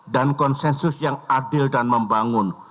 dan konsensus yang adil dan membangun